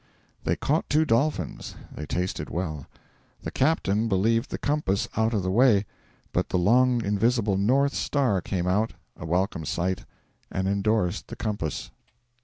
They caught two dolphins; they tasted well. 'The captain believed the compass out of the way, but the long invisible north star came out a welcome sight and endorsed the compass.'